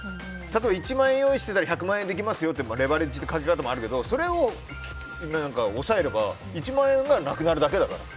例えば、１万円用意してたら１００万円できますよっていうレバレッジのかけ方もあるけどそれを抑えれば、１万円がなくなるだけだから。